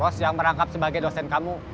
bos jangan merangkap sebagai dosen kamu